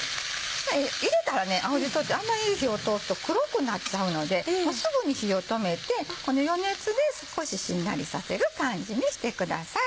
入れたらね青じそってあんまり火を通すと黒くなっちゃうのでもうすぐに火を止めてこの余熱で少ししんなりさせる感じにしてください。